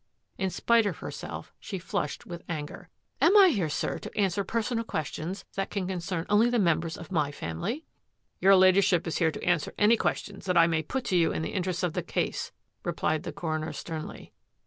In spite of herself she flushed with anger. " Am I here, sir, to answer personal questions that can concern only the members of my family? "" Your Ladyship is here to answer any questions that I may put to you in the interests of the case," replied the coroner sternly.